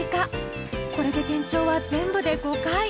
これで転調は全部で５回。